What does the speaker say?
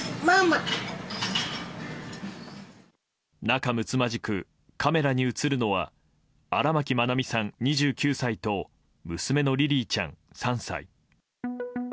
仲むつまじくカメラに映るのは荒牧愛美さん、２９歳と娘のリリィちゃん、３歳。